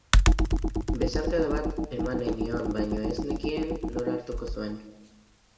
Besarkada bat eman nahi nion, baina ez nekien nola hartuko zuen.